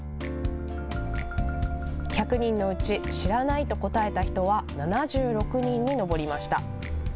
１００人のうち知らないと答えた人は７６人に上りました。